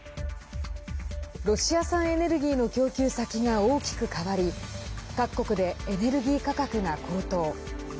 ロシア産エネルギーの供給先が大きく変わり各国でエネルギー価格が高騰。